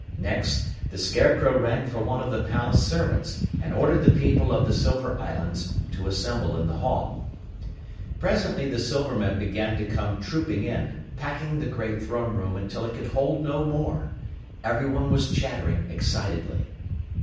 Next, the Scarecrow rang for one of the palace servants and ordered the people of the Silver Islands to assemble in the hall. Presently the Silvermen began to come trooping in, packing the great throne room until it could hold no more. Everyone was chattering excitedly.